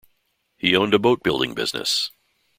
He owned a boat building business.